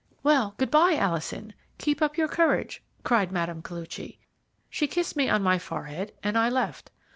"'Well, good bye, Alison, keep up your courage,' cried Mme. Koluchy. She kissed me on my forehead and I left.